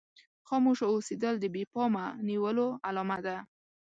خاموشه اوسېدل د بې پامه نيولو علامه ده.